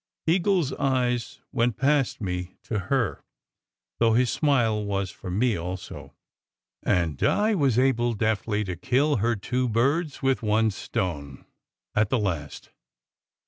Eagle s eyes went past me to her, though his smile was for me also; and Di was able deftly to kill her two birds with one stone, at the last.